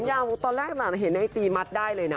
ยาวตอนแรกเห็นไอจีมัดได้เลยนะ